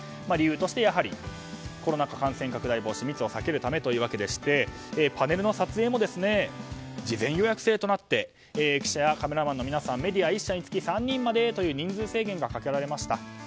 理由としてコロナ禍で感染拡大や密を避けるためというわけでしてパネルの撮影も事前予約制となって記者やカメラマンさんメディア１社につき３人までという人数制限がかけられました。